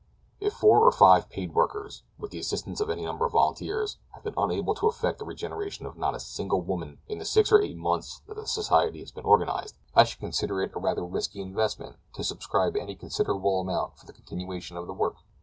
If four or five paid workers, with the assistance of a number of volunteers, have been unable to effect the regeneration of not a single woman in the six or eight months that the society has been organized, I should consider it a rather risky investment to subscribe any considerable amount for the continuation of the work.